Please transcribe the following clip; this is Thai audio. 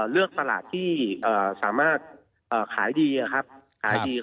เลือกตลาดที่สามารถขายดีขายดี